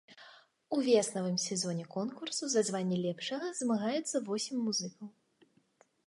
У веснавым сезоне конкурсу за званне лепшага змагаюцца восем музыкаў.